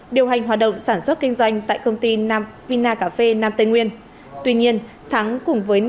điều hành hoạt động sản xuất kinh doanh tại công ty vinacafé nam tây nguyên tuy nhiên thắng cùng với